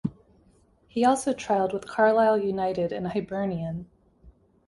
He also trialled with Carlisle United and Hibernian.